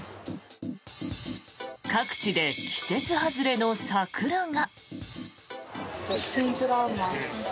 各地で季節外れの桜が。